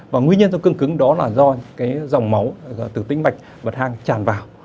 và nguyên nhân cho cương cứng đó là do cái dòng máu từ tinh mạch vật hang tràn vào